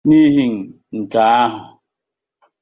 N'ihi nke ahụ